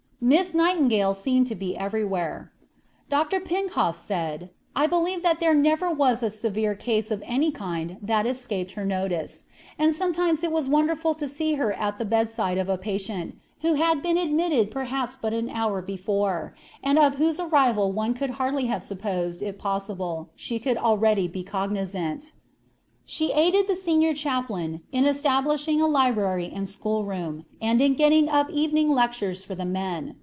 Miss Nightingale seemed to be everywhere. Dr. Pincoffs said: "I believe that there never was a severe case of any kind that escaped her notice; and sometimes it was wonderful to see her at the bedside of a patient who had been admitted perhaps but an hour before, and of whose arrival one would hardly have supposed it possible she could already be cognizant." She aided the senior chaplain in establishing a library and school room, and in getting up evening lectures for the men.